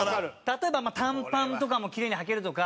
例えば短パンとかもキレイにはけるとか。